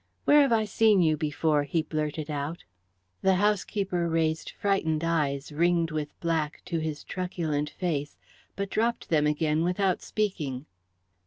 "Where have I seen you before?" he blurted out. The housekeeper raised frightened eyes, ringed with black, to his truculent face, but dropped them again without speaking.